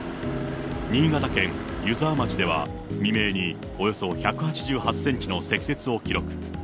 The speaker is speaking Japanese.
新潟県湯沢町では、未明におよそ１８８センチの積雪を記録。